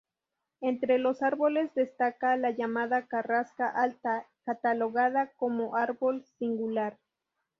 Entre los árboles destaca la llamada carrasca alta, catalogada como árbol singular.